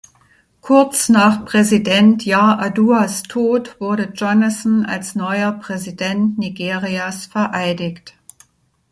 Kurz nach Präsident Yar’Aduas Tod wurde Jonathan als neuer Präsident Nigerias vereidigt.